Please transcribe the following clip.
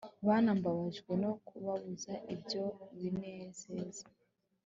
bana, mbabajwe no kubabuza ibyo binezeza